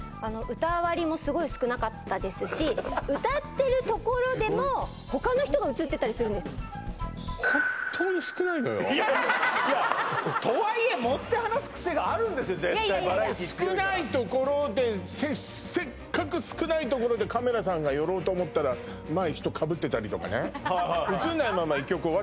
歌割りもすごい少なかったですし歌ってるところでも他の人が映ってたりするんですよとはいえ盛って話すクセがあるんですよ絶対バラエティ知ってるから少ないところでせっかく少ないところでカメラさんが寄ろうと思ったら前人かぶってたりとかねそうなんですよ